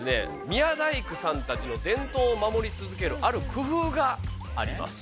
宮大工さんたちの伝統を守り続けるある工夫があります。